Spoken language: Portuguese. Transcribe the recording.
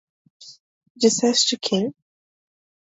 Disseste "Quem"?